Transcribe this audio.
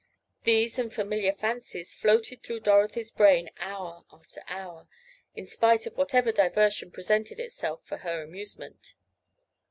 These and similar fancies floated through Dorothy's brain hour after hour, in spite of whatever diversion presented itself for her amusement.